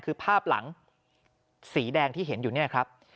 คือภาพหลังสีแดงที่เห็นอยู่เนี่ยครับ